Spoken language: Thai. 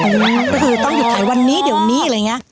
ก็คือต้องหยุดขายวันนี้เดี๋ยวนี้อะไรอย่างนี้